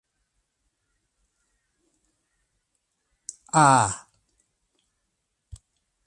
Are!